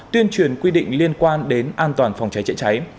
tuyên truyền quy định liên quan đến an toàn phòng cháy chữa cháy